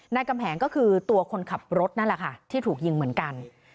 กำแหงก็คือตัวคนขับรถนั่นแหละค่ะที่ถูกยิงเหมือนกัน